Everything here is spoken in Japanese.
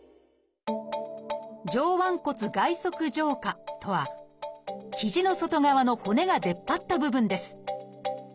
「上腕骨外側上顆」とは肘の外側の骨が出っ張った部分です。